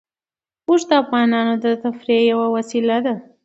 اوښ د افغانانو د تفریح یوه وسیله ده.